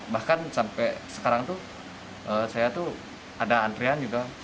bahkan sampai sekarang saya ada antrean juga